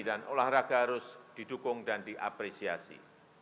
dan olahraga harus didukung dan diapresiasi